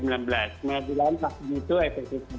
nah di lantai itu efeknya